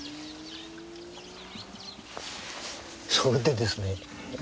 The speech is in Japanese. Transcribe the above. それでですね